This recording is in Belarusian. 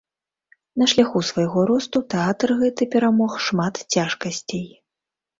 На шляху свайго росту тэатр гэты перамог шмат цяжкасцей.